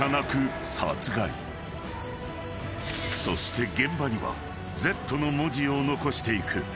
［そして現場には「Ｚ」の文字を残していく］